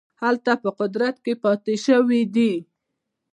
هلته په قدرت کې پاته شوي دي.